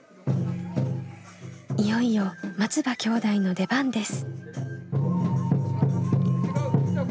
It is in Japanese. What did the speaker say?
いよいよ松場兄弟の出番です。